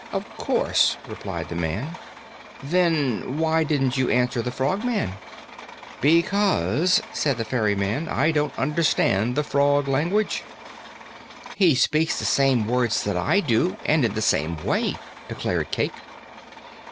"Of course," replied the man. "Then why didn't you answer the Frogman?" "Because," said the ferryman, "I don't understand the frog language." "He speaks the same words that I do and in the same way," declared Cayke.